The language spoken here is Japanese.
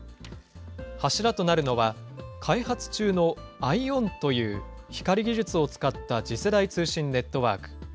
柱となるのは、開発中のＩＯＷＮという光技術を使った次世代通信ネットワーク。